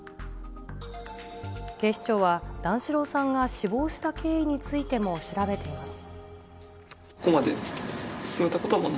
警視庁は、段四郎さんが死亡した経緯についても調べています。